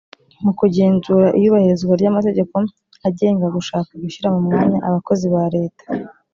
mu kugenzura iyubahirizwa ry amategeko agenga gushaka gushyira mu myanya abakozi ba leta